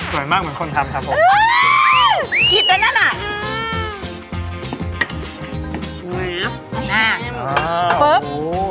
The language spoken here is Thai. สวยมากเหมือนคนทำครับผมคิดได้แล้วหน่อย